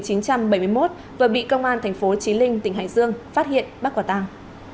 sinh năm một nghìn chín trăm bảy mươi một và bị công an tp chí linh tỉnh hành dương phát hiện bắt quả tăng